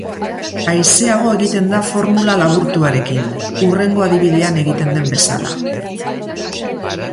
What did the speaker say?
Aiseago egiten da formula laburtuarekin, hurrengo adibidean egiten den bezala.